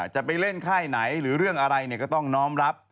จะไปเล่นค่ายไหนหรือเรื่องอะไรก็ต้องน้อมรับ